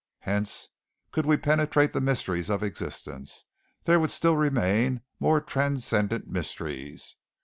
Hence, could we penetrate the mysteries of existence, there would still remain more transcendent mysteries.